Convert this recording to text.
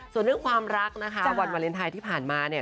ส่วนเรื่องความรักนะคะวันวาเลนไทยที่ผ่านมาเนี่ย